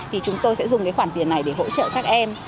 thì chúng tôi sẽ dùng cái khoản tiền này để hỗ trợ các em